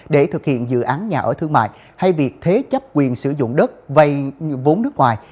để thực hiện dự án nhà ở thương mại hay việc thế chấp quyền sử dụng đất vay vốn nước ngoài